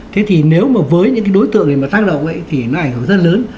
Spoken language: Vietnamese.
thế thì nếu mà với những cái đối tượng này mà tác động ấy thì nó ảnh hưởng rất lớn